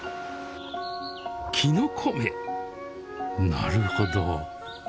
なるほど。